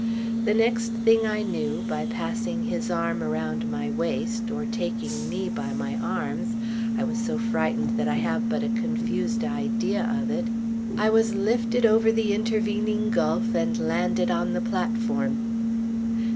The next thing I knew, by passing his arm around my waist, or taking me by my arms I was so frightened that I have but a confused idea of it I was lifted over the intervening gulf and landed on the platform!